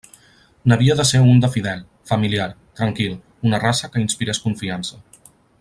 N'havia de ser un de fidel, familiar, tranquil, una raça que inspirés confiança.